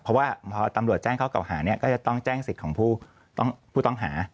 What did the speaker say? เพราะว่าพอตำรวจแจ้งข้อเก่าหาเนี่ยก็จะต้องแจ้งสิทธิ์ของผู้ต้องหา